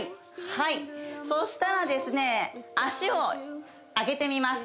はいそしたらですね脚を上げてみます